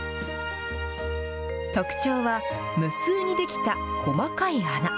特徴は、無数に出来た細かい穴。